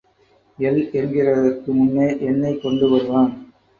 எள் என்கிறதற்கு முன்னே எண்ணெய் கொண்டு வருவான்.